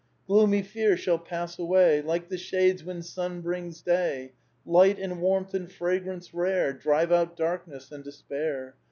Gloomy fear shall pass away Like the shades when sun brings day ; Light and warmth and fragrance rare Drive out darkness and despair.